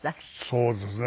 そうですね。